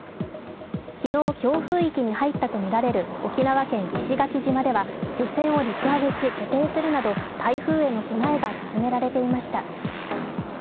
昨日、強風域に入ったとみられる沖縄県石垣島では漁船を陸揚げし固定するなど台風への備えが進められていました。